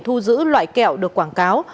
thu giữ loại kẹo được quảng cáo